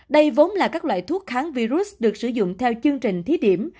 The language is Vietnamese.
đây vốn là các loại thuốc kháng virus được sử dụng theo chương trình thí điểm